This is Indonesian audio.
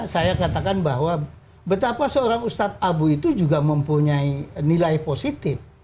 saya katakan bahwa betapa seorang ustadz abu itu juga mempunyai nilai positif